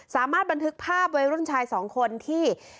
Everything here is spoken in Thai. สามารถบันทึกภาพวัยรุ่นชายสองคนที่